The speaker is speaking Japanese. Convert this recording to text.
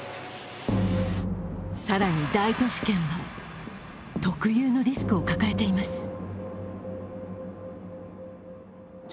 更に大都市圏は、特有のリスクを抱えています。